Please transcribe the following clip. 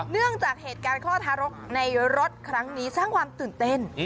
เนื่องจากเหตุการณ์คลอดทารกในรถครั้งนี้สร้างความตื่นเต้น